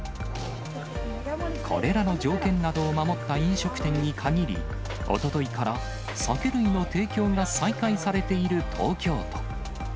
これらの条件などを守った飲食店に限り、おとといから酒類の提供が再開されている東京都。